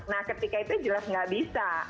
nah ketika itu jelas nggak bisa